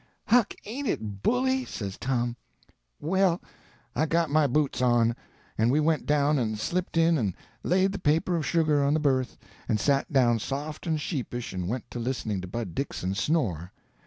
"Huck, ain't it bully!" says Tom. "Well, I got my boots on, and we went down and slipped in and laid the paper of sugar on the berth, and sat down soft and sheepish and went to listening to Bud Dixon snore.